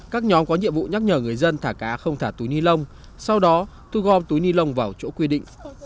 các nhóm có nhiệm vụ nhắc nhở người dân thả cá không thả túi ni lông sau đó thu gom túi ni lông vào chỗ quy định